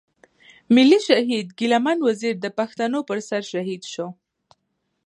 ملي شهيد ګيله من وزير د پښتنو پر سر شهيد شو.